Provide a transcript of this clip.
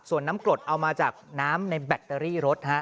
ส่วนน้ำกรดเอามาจากน้ำในแบตเตอรี่รถฮะ